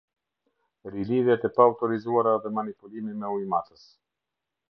Ri-lidhjet e paautorizuara dhe manipulimi me ujmatës.